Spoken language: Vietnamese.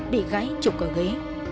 bị gái trục ở ghế